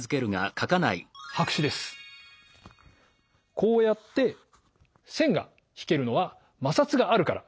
こうやって線が引けるのは摩擦があるから。